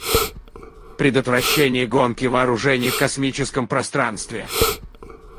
Предотвращение гонки вооружений в космическом пространстве.